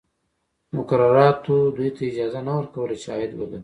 مقرراتو دوی ته اجازه نه ورکوله چې عاید ولري.